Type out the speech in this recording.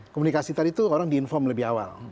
komunikasi tadi itu orang di inform lebih awal